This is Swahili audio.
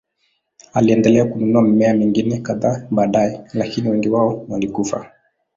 Aliendelea kununua mimea mingine kadhaa baadaye, lakini wengi wao walikufa.